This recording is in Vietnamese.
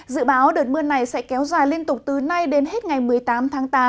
dự báo đợt mưa này sẽ kéo dài liên tục từ nay đến hết ngày một mươi tám tháng tám